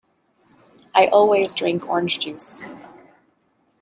I always drink orange juice.